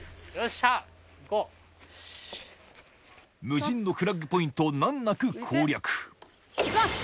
無人のフラッグポイントを難なく攻略行きます！